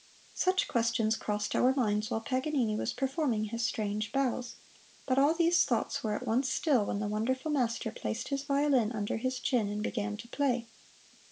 Such questions crossed our minds while Paganini was performing his strange bows, but all those thoughts were at once still when the wonderful master placed his violin under his chin and began to play.